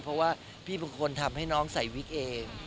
เพราะว่าพี่เป็นคนทำให้น้องใส่วิกเอง